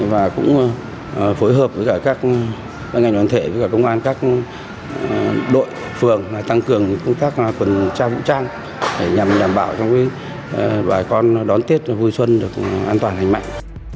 và cũng phối hợp với các ngành đoàn thể công an các đội phường tăng cường công tác quần trao vũ trang để nhằm đảm bảo cho bà con đón tết vui xuân được an toàn hành mạnh